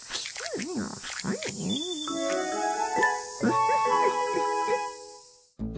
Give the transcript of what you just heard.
ウフフフフ。